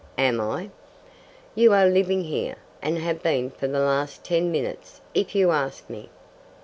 "Am I?" "You are living here, and have been for the last ten minutes, if you ask me."